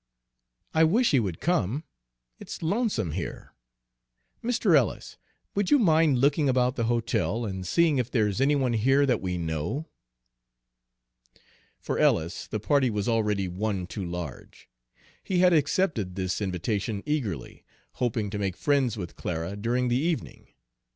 "I wish he would come. It's lonesome here. Mr. Ellis, would you mind looking about the hotel and seeing if there's any one here that we know?" For Ellis the party was already one too large. He had accepted this invitation eagerly, hoping to make friends with Clara during the evening.